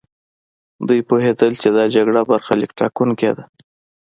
دوی پوهېدل چې دا جګړه برخليک ټاکونکې ده.